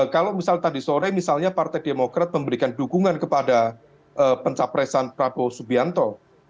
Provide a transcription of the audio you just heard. kalau misal tadi sore misalnya partai demokrat memberikan dukungan kepada pencapresan prabowo subianto